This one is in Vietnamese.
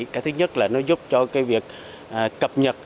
cái thứ nhất là nó giúp cho cái việc cập nhật